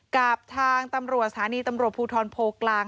กับทางตำรวจสถานีตำรวจภูทรโพกลาง